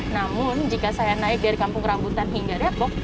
namun jika saya naik dari kampung rambutan hingga depok